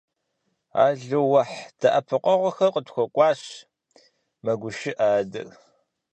– Ало-уэхь, дэӀэпыкъуэгъухэр къытхуэкӀуащ, – мэгушыӀэ адэр.